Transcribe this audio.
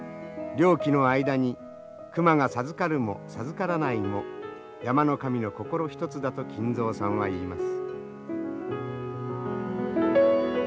猟期の間に熊が授かるも授からないも山の神の心一つだと金蔵さんは言います。